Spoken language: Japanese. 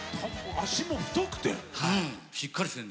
足も太くて。